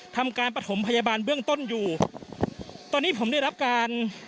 ทำการประถมพยาบาลเบื้องต้นอยู่ตอนนี้ผมได้รับการ